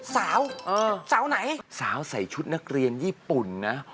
สาวสาวไหนสาวใส่ชุดนักเรียนญี่ปุ่นนะ